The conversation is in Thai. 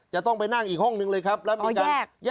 จะต้องไปนั่งอีกห้องนึงเลยครับแล้วมีการ